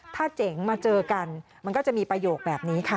ถ้าเจ๋งมาเจอกันมันก็จะมีประโยคแบบนี้ค่ะ